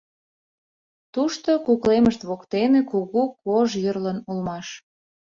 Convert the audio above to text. Тушто, куклемышт воктене, кугу кож йӧрлын улмаш.